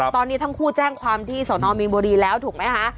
ตอนนี้ทั้งคู่แจ้งความที่สนมีนบุรีแล้วถูกไหมคะ